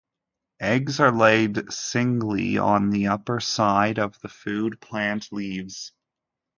Eggs are laid singly on the upperside of the food plant leaves.